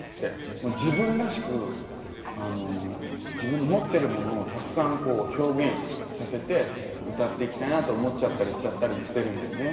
もう自分らしく自分の持ってるものをたくさん表現させて歌っていきたいなって思っちゃったりしちゃったりしてるんだよね。